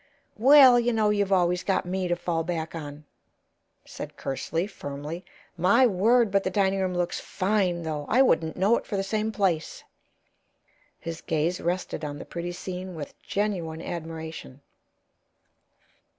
"Well, you know you've always got me to fall back on," said Kersley, firmly. "My word, but the dining room looks fine, though! I wouldn't know it for the same place." His gaze rested on the pretty scene with genuine admiration.